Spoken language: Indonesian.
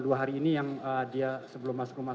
dua hari ini yang dia sebelum masuk rumah